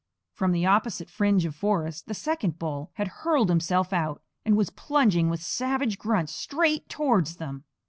From the opposite fringe of forest the second bull had hurled himself out, and was plunging with savage grunts straight towards them.